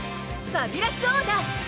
ファビュラスオーダー！